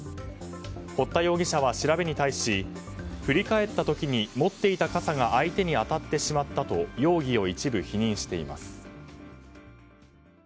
堀田容疑者は調べに対し振り返った時に持っていた傘が相手に当たってしまったと容疑を一部否認しています。